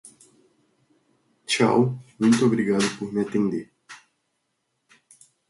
Tchau, muito obrigado por me atender.